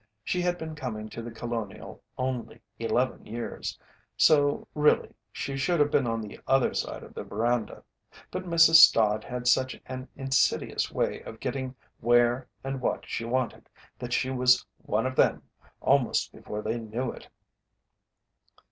She had been coming to The Colonial only eleven years, so really, she should have been on the other side of the veranda, but Mrs. Stott had such an insidious way of getting where and what she wanted that she was "one of them" almost before they knew it.